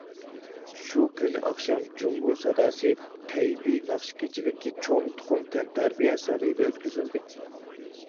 شۇ كۈنى ئاخشام،« جۇڭگو ساداسى» تەيبېي ناخشا كېچىلىكى چوڭ تۇخۇم تەنتەربىيە سارىيىدا ئۆتكۈزۈلدى.